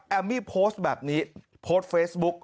แอมมี่พ็อตแบบนี้พ็อตเฟซบุ๊ค